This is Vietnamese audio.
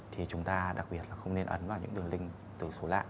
thì chúng ta đặc biệt là không nên ấn vào những đường link từ số lạ